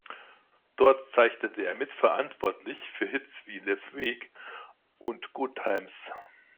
Dort zeichnete er mitverantwortlich für Hits wie „Le Freak“ und „Good Times“.